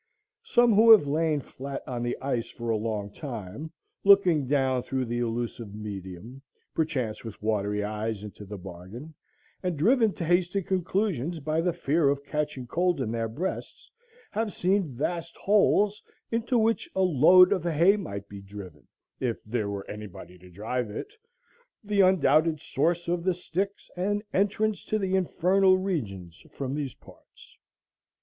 Some who have lain flat on the ice for a long time, looking down through the illusive medium, perchance with watery eyes into the bargain, and driven to hasty conclusions by the fear of catching cold in their breasts, have seen vast holes "into which a load of hay might be driven," if there were any body to drive it, the undoubted source of the Styx and entrance to the Infernal Regions from these parts.